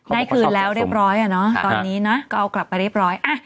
ได้คืนแล้วเรียบร้อยอ่ะเนอะตอนนี้นะก็เอากลับไปเรียบร้อย